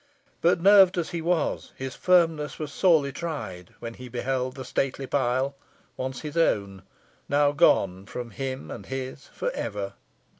But nerved as he was, his firmness was sorely tried when he beheld the stately pile, once his own, now gone from him and his for ever.